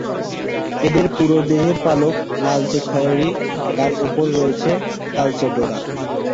এদের পুরো দেহের পালক লালচে-খয়েরি, তার ওপর রয়েছে কালচে ডোরা।